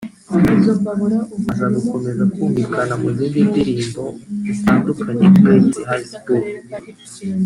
aza gukomeza kumvikana mu zindi ndirimbo zitandukanye nk’iyo yise High school